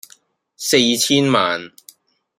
四千萬